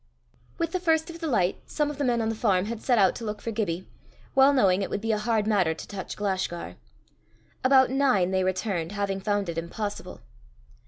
With the first of the light, some of the men on the farm had set out to look for Gibbie, well knowing it would be a hard matter to touch Glashgar. About nine they returned, having found it impossible.